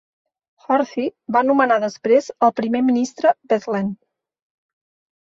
Horthy va nomenar després el primer ministre Bethlen.